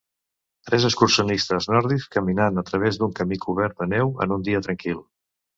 Tres excursionistes nòrdics caminant a través d'un camí cobert de neu en un dia tranquil.